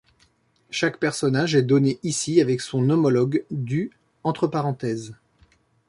Chaque personnage est donné ici avec son homologue du entre parenthèses.